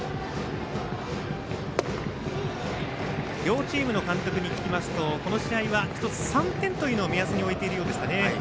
両チームの監督に聞きますとこの試合は１つ３点というのを目安に置いているようですね。